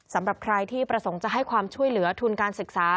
สำหรับใครที่ประสงค์จะให้ความช่วยเหลือทุนการศึกษา